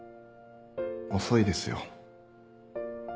遅いですよ。